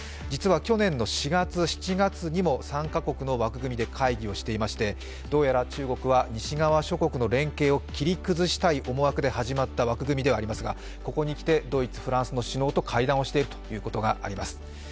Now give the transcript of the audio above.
実は去年４月、７月にも３カ国の枠組みで会議をしていまして、どうやら中国は西側諸国の連携を切り崩したい思惑で始まった枠組みではありますが、ここにきてドイツ、フランスの首脳と会談をしているということがあります。